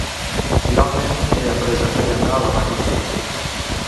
Finalment he après a fer anar la màquina de cosir